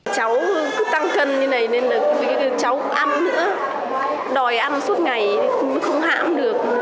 cháu cứ tăng cân như này nên là cháu ăn nữa đòi ăn suốt ngày thì không hãm được